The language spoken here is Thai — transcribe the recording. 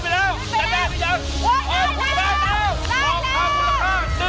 รอบค่า๑ล้านบาทแหล่ะน้ำครา